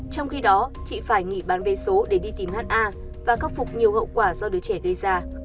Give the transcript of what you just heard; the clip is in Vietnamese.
trong khi đó chị phải nghỉ bán vé số để đi tìm ha và khắc phục nhiều hậu quả do đứa trẻ gây ra